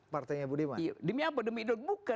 partainya budiman iya demi apa